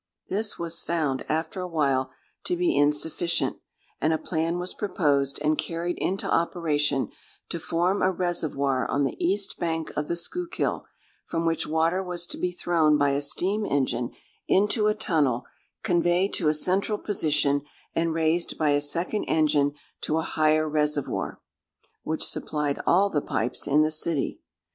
This was found, after a while, to be insufficient; and a plan was proposed, and carried into operation, to form a reservoir on the east bank of the Schuylkill, from which water was to be thrown by a steam engine into a tunnel, conveyed to a central position, and raised by a second engine to a higher reservoir, which supplied all the pipes in the city.